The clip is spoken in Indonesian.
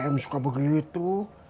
am suka begitu